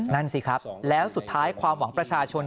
นั่นสิครับแล้วสุดท้ายความหวังประชาชน